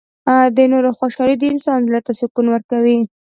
• د نورو خوشحالي د انسان زړۀ ته سکون ورکوي.